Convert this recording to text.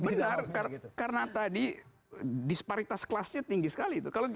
benar karena tadi disparitas kelasnya tinggi sekali